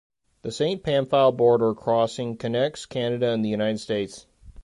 The Saint Pamphile Border Crossing connects Canada and the United States.